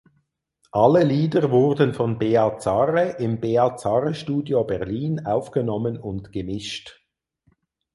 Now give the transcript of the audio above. Alle Lieder wurden von Beatzarre im Beatzarre Studio Berlin aufgenommen und gemischt.